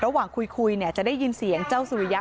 ระหว่างคุยเนี่ยจะได้ยินเสียงเจ้าสุริยะ